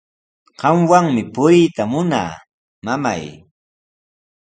Qamwanmi puriyta munaa, mamay.